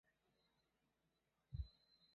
豆豆先生搭乘火车到达巴黎北站。